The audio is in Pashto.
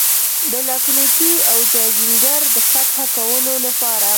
د لکهنوتي او جاجینګر د فتح کولو لپاره.